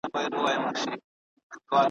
ډلي ډلي مي له لاري دي ايستلي ,